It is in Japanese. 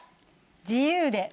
自由で。